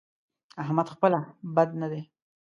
احمد خپله بد نه دی؛